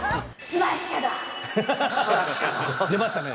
出ましたね。